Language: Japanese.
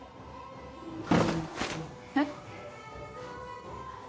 えっ？